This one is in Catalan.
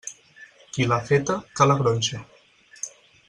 Qui l'ha feta, que la gronxe.